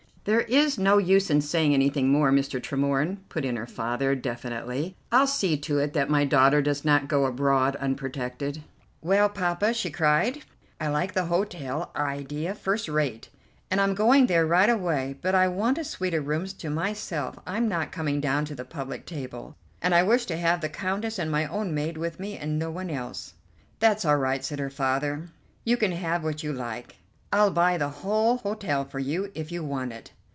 "There is no use in saying anything more, Mr. Tremorne," put in her father, definitely; "I'll see to it that my daughter does not go abroad unprotected." "Well, Poppa," she cried, "I like the hotel idea first rate, and I'm going there right away; but I want a suite of rooms to myself. I'm not coming down to the public table, and I wish to have the Countess and my own maid with me and no one else." "That's all right," said her father, "you can have what you like. I'll buy the whole hotel for you if you want it."